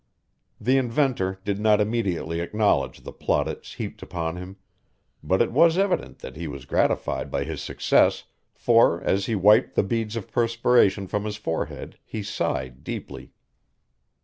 The inventor did not immediately acknowledge the plaudits heaped upon him, but it was evident he was gratified by his success for, as he wiped the beads of perspiration from his forehead he sighed deeply.